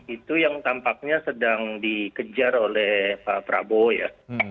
itu yang tampaknya sedang dikejar oleh pak prabowo ya